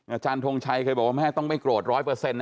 อาจารย์ทงชัยเคยบอกว่าแม่ต้องไม่โกรธร้อยเปอร์เซ็นนะ